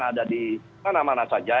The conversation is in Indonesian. ada di mana mana saja